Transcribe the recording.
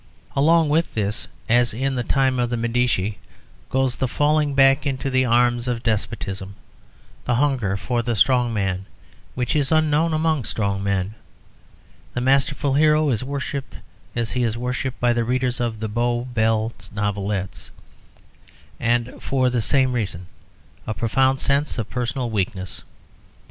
Along with this, as in the time of the Medici, goes the falling back into the arms of despotism, the hunger for the strong man which is unknown among strong men. The masterful hero is worshipped as he is worshipped by the readers of the "Bow Bells Novelettes," and for the same reason a profound sense of personal weakness.